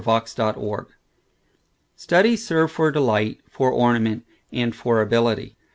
Of Studies STUDIES serve for delight, for ornament, and for ability.